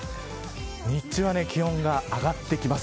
日中は気温が上がってきます。